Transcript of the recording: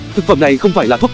thực phẩm này không phải là thuốc